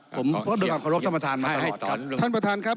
ผมก็ต้องขอลักษณ์ของประธานมาตลอดครับ